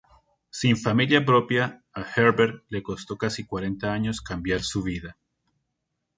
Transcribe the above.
Sin familia propia, a Herbert le costó casi cuarenta años cambiar su vida.